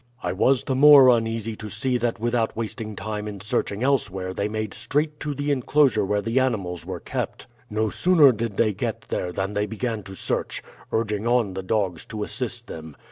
"I was the more uneasy to see that without wasting time in searching elsewhere they made straight to the inclosure where the animals were kept. No sooner did they get there than they began to search, urging on the dogs to assist them.